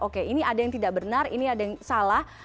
oke ini ada yang tidak benar ini ada yang salah